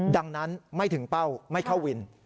ดังนั้นไม่ถึงเป้าไม่เข้าวิน